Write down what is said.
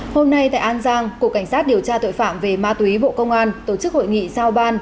hôm nay tại an giang cục cảnh sát điều tra tội phạm về ma túy bộ công an tổ chức hội nghị giao ban